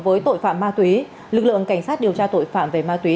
với tội phạm ma túy lực lượng cảnh sát điều tra tội phạm về ma túy